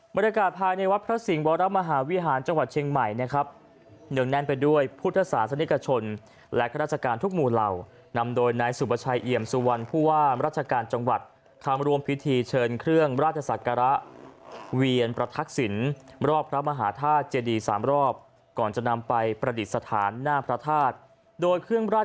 บรรยากาศภายในวัดพระสิงห์วรมหาวิหารจังหวัดเชียงใหม่นะครับเนื่องแน่นไปด้วยพุทธศาสนิกชนและข้าราชการทุกหมู่เหล่านำโดยนายสุประชัยเอี่ยมสุวรรณผู้ว่าราชการจังหวัดทำรวมพิธีเชิญเครื่องราชศักระเวียนประทักษิณรอบพระมหาธาตุเจดีสามรอบก่อนจะนำไปประดิษฐานหน้าพระธาตุโดยเครื่องราช